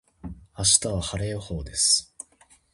明日は晴れ予報です。